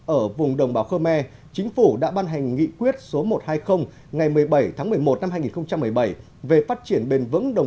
ở vùng đồng bào khơ me chính phủ đã ban hành nghị quyết số một trăm hai mươi ngày một mươi bảy tháng một mươi một năm hai nghìn một mươi bảy